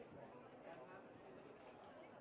โปรดติดตามต่อไป